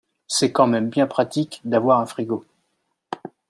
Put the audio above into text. C'est quand même bien pratique d'avoir un frigo.